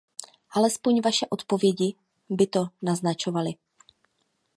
Alespoň vaše odpovědi by to naznačovaly.